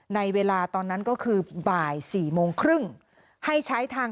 ในเวลาตอนนั้นก็คือบ่าย๔โมงครึ่ง